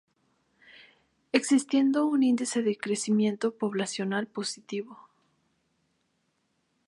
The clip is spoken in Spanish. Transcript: Existiendo un índice de crecimiento poblacional positivo.